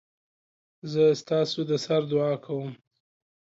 زه ستاسودسر دعاکوم